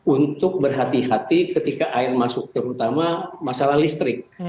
untuk berhati hati ketika air masuk terutama masalah listrik